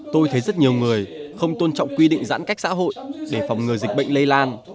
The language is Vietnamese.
tôi thấy rất nhiều người không tôn trọng quy định giãn cách xã hội để phòng ngừa dịch bệnh lây lan